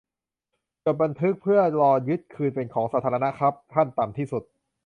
จดบันทึก เพื่อรอยึดคืนเป็นของสาธารณะครับ ขั้นต่ำที่สุด